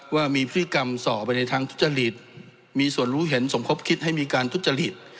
ว่ามีพฤติกรรมส่อไปในทางทุจริตมีส่วนรู้เห็นสมคบคิดให้มีการทุจริต